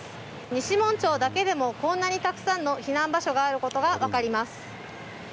西門町だけでもこんなにたくさんの避難場所があることが分かります。